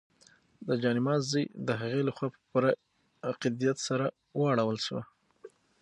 د جاینماز ژۍ د هغې لخوا په پوره عقیدت سره ورواړول شوه.